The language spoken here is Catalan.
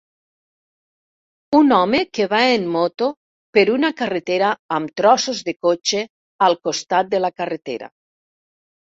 Un home que va en moto per una carretera amb trossos de cotxes al costat de la carretera.